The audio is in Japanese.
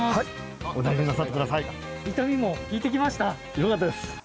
よかったです。